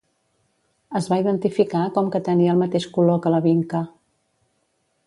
Es va identificar com que tenia el mateix color que la vinca.